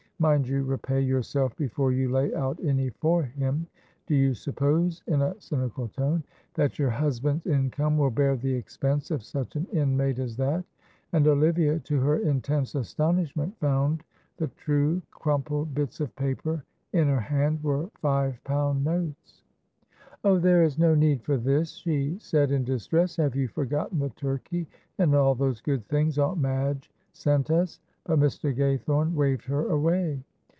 Mind you repay yourself before you lay out any for him: do you suppose," in a cynical tone, "that your husband's income will bear the expense of such an inmate as that?" and Olivia, to her intense astonishment, found the two crumpled bits of paper in her hand were five pound notes. "Oh there is no need for this," she said, in distress; "have you forgotten the turkey and all those good things Aunt Madge sent us?" but Mr. Gaythorne waved her away.